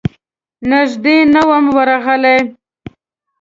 نږدې نه وم ورغلی.